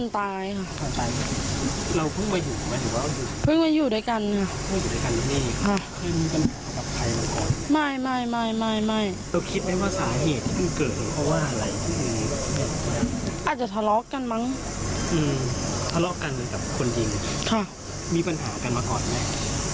ทะเลาะกันกับคนยิงมีปัญหากันมาก่อนไหม